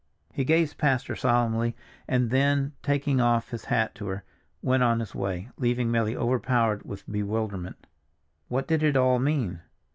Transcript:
He gazed past her solemnly and then taking off his hat to her, went on his way, leaving Milly overpowered with bewilderment. What did it all mean?